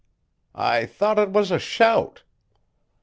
"I thought it was a shout."